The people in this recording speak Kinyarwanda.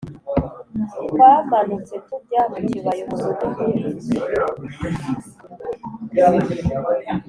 twamanutse tujya mu kibaya umudugudu uri.